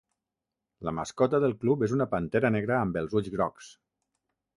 La mascota del club és una pantera negra amb els ulls grocs.